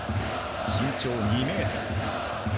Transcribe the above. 身長２ｍ。